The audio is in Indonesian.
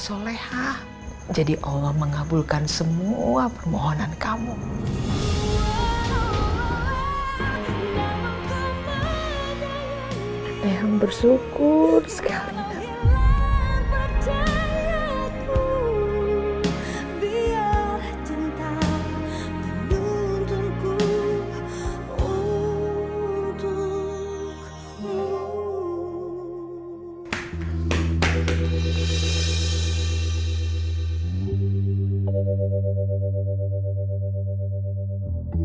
solehah jadi allah mengabulkan semua permohonan kamu yang bersyukur sekali